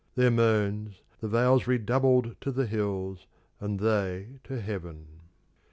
Their moansThe vales redoubled to the hills, and theyTo heaven.